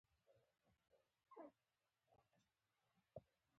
ما ورته وویل: بېرته یې پر خپل ځای کېږده.